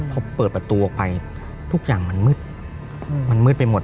พอเปิดประตูออกไปทุกอย่างมันมืดมันมืดไปหมด